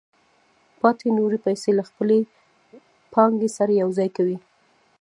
پاتې نورې پیسې له خپلې پانګې سره یوځای کوي